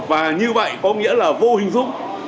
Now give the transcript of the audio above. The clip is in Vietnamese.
và như vậy có nghĩa là vô hình dung